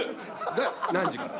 が何時から？